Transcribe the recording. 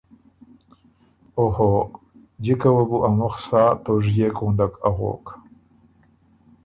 ”او هو۔۔۔ جِکه وه بو ا مُخ سا توژيېک غُندک اغوک“